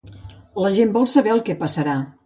La gent vol saber el que passarà.